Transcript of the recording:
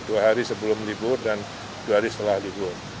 dua hari sebelum libur dan dua hari setelah libur